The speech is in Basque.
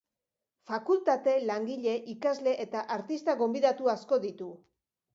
Fakultate, langile, ikasle eta artista gonbidatu asko ditu.